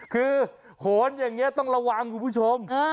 คือโหนอย่างนี้ต้องระวังคุณผู้ชม